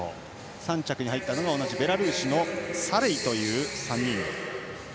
３着に入ったのは同じベラルーシのサレイという３人。